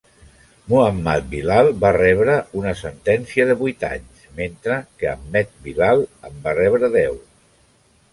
Muhammad Bilal va rebre una sentència de vuit anys, mentre que Ahmed Bilal en va rebre deu.